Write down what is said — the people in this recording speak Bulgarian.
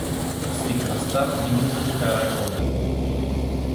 Тук са и Кръстан и Митю Караколев.